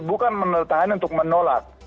bukan menelitakan untuk menolak